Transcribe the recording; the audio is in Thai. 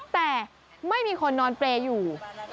แต่ไม่มีคนนอนเปรย์อยู่